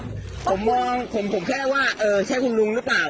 ผมมองผมแค่ว่าเออใช่คุณลุงหรือเปล่า